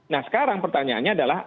nah sekarang pertanyaannya adalah